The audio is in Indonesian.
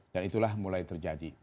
dan itulah mulai terjadi